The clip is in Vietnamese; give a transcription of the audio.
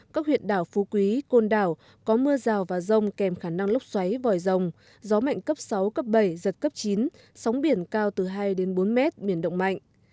các huyện đảo phú quý côn đảo có mưa rào và rông kèm khả năng lốc xoáy vòi rồng gió mạnh cấp sáu cấp bảy giật cấp chín sóng biển cao từ hai đến bốn mét biển động mạnh